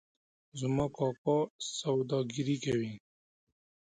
زما کاکا سوداګري کوي